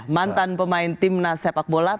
mantan pemain timnas sepak bola